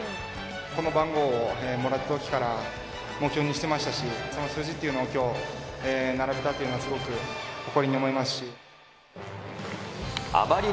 この番号をもらったときから目標にしてましたし、その数字というのをきょう、並べたというのはすごく誇りに思いますし。